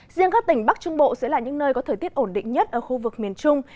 riêng các tỉnh bắc trung bộ sẽ là những nơi có thời tiết ổn định nhất ở khu vực miền trung